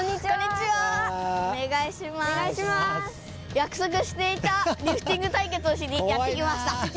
やくそくしていたリフティング対決をしにやって来ました。